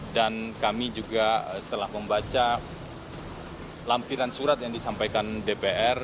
dan kami juga setelah membaca lampiran surat yang disampaikan dpr